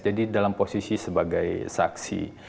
jadi dalam posisi sebagai saksi